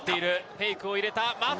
フェイクを入れた！